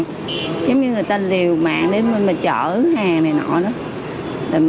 giống như người ta liều mạng đến mà chở hàng này nọ đó